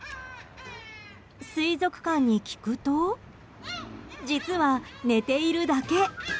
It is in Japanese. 水族館に聞くと実は、寝ているだけ。